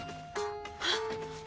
あっ！